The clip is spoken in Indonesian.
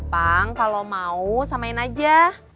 bang kalau mau samain aja